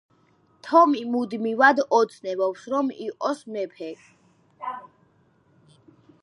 თომი მუდმივად ოცნებობს, რომ იყოს მეფე.